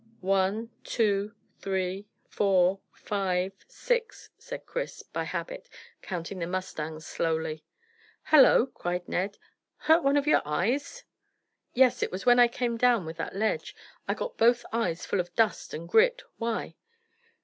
"One two three four five six," said Chris, by habit, counting the mustangs slowly. "Hallo!" cried Ned. "Hurt one of your eyes?" "Yes. It was when I came down with that ledge; I got both eyes full of dust and grit. Why?"